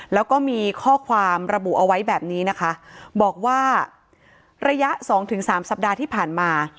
แล้วก็มีข้อความระบุเอาไว้แบบนี้นะคะบอกว่าระยะสองถึงสามสัปดาห์ที่ผ่านมา